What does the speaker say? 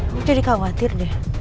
aku jadi khawatir deh